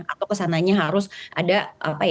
atau kesananya harus ada apa ya